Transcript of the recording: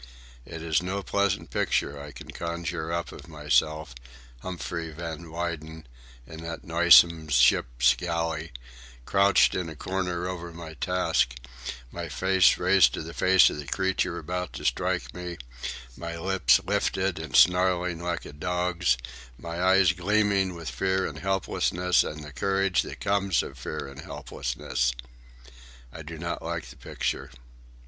It is no pleasant picture I can conjure up of myself, Humphrey Van Weyden, in that noisome ship's galley, crouched in a corner over my task, my face raised to the face of the creature about to strike me, my lips lifted and snarling like a dog's, my eyes gleaming with fear and helplessness and the courage that comes of fear and helplessness. I do not like the picture.